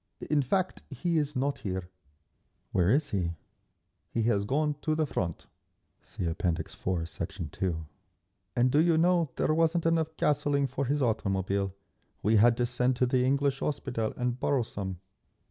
"In fact, he is not here…." "Where is he?" "He has gone to the Front. (See App. IV, Sect. 2) And do you know, there wasn't enough gasoline for his automobile. We had to send to the English Hospital and borrow some."